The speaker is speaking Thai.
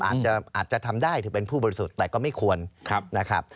อาจจะทำได้ถือเป็นผู้บริสุทธิ์แต่ก็ไม่ควรนะครับ